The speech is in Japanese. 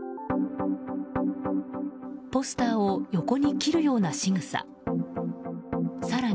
ポスターを横に切るようなしぐさ。